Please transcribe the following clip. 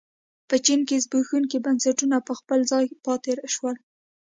په چین کې زبېښونکي بنسټونه په خپل ځای پاتې شول.